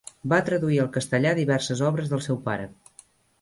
Va traduir al castellà diverses obres del seu pare.